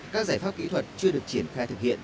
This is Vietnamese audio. các giải pháp kỹ thuật chưa được triển khai thực hiện